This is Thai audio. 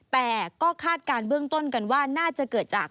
แต่ก็คาดการณ์เบื้องต้นกันว่าน่าจะเกิดจาก